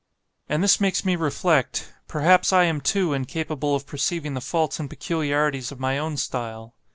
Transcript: "And this makes me reflect, perhaps I am too incapable of perceiving the faults and peculiarities of my own style.